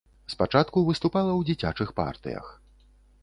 Спачатку выступала ў дзіцячых партыях.